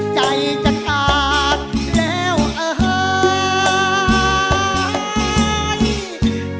ใจจะขาดแล้วเอ่ย